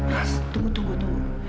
res tunggu tunggu tunggu